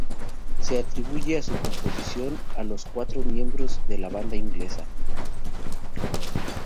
Se atribuye su composición a los cuatro miembros de la banda inglesa.